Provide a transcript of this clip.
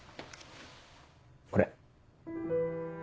これ。